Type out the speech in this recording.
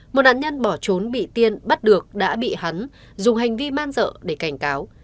một nạn nhân bỏ trốn bị tiên bắt được đã bị hắn dùng hành vi man dợ để cảnh cáo